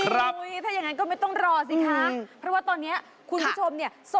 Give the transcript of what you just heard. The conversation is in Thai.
ถ้าอย่างงานก็ไม่ต้องรอสิคะเพราะว่าตอนนี้คุณคุณผู้ชม